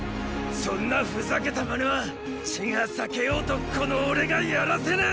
そんなふざけたマネは地が裂けようとこの俺がやらせねェ！！